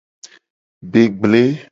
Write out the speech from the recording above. Be gble.